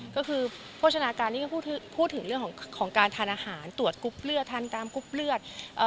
ก็คือโภชนาการนี้ก็พูดถึงเรื่องของการทานอาหารตรวจกรุ๊ปเลือดทานตามกรุ๊ปเลือด